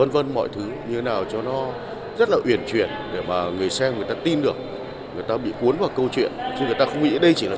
vờ diễn có sự tham gia